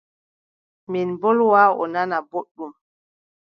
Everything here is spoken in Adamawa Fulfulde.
Min mbolwa o nana boɗɗum.